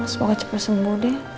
semoga cepat sembuh deh